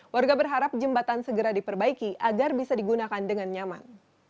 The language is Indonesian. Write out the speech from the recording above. warga berharap jembatan segera diperbaiki agar bisa digunakan dengan nyaman